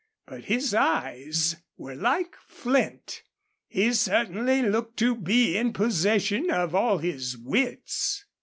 But his eyes were like flint. He certainly looked to be in possession of all his wits.